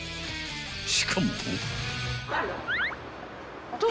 ［しかも］